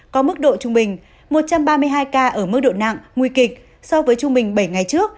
có mức độ trung bình một trăm ba mươi hai ca ở mức độ nặng nguy kịch so với trung bình bảy ngày trước